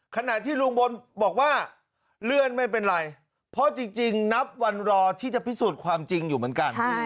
ขณะที่ลุงพลบอกว่าเลื่อนไม่เป็นไรเพราะจริงนับวันรอที่จะพิสูจน์ความจริงอยู่เหมือนกัน